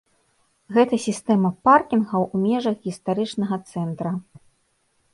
Гэта сістэма паркінгаў у межах гістарычнага цэнтра.